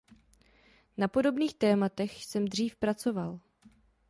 Na podobných tématech jsem dřív pracoval.